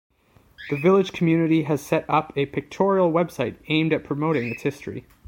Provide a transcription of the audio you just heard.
The village community has set up a pictorial website, aimed at promoting its history.